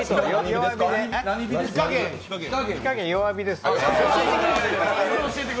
火加減弱火です。